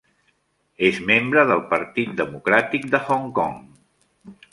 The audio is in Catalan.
És membre del Partir Democràtic de Hong Kong.